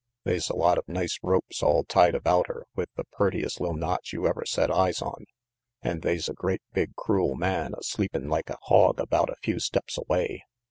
They's a lot of nice ropes all tied about her with the purtiest li'l knots you ever set eyes on. An' they's a great big crool man a sleepin' like a hawg about a few steps away.